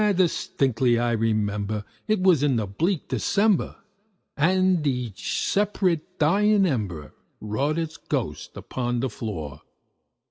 Ah, distinctly I remember, it was in the bleak December, And each separate dying ember wrought its ghost upon the floor.